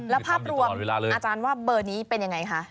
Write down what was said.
แล้วภาพรวมอาจารย์ว่าเบอร์นี้เป็นยังไงคะ